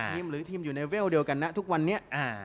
หรือทีมอยู่ในเวลเดียวกันนะทุกวันนี้